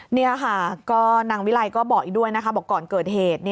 นี่ค่ะก็นางวิไลก็บอกอีกด้วยนะคะบอกก่อนเกิดเหตุ